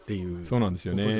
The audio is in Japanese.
そうなんですよね。